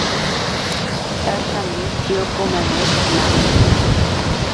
তার সামনে চিয়োকো ম্যামের নাম নিবে না!